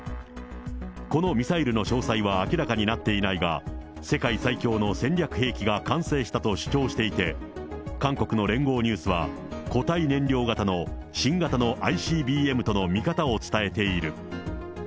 このミサイルの詳細は明らかになっていないが、世界最強の戦略兵器が完成したと主張していて、韓国の聯合ニュースは、固体燃料型の新型のＩＣＢＭとの見方を伝えている。